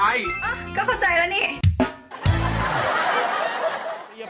อ้าวก็เข้าใจแล้วนี่